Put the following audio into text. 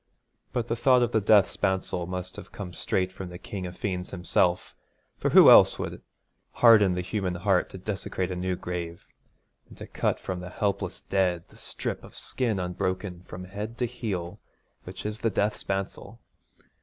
But the thought of the death spancel must have come straight from the King of Fiends himself, for who else would harden the human heart to desecrate a new grave, and to cut from the helpless dead the strip of skin unbroken from head to heel which is the death spancel?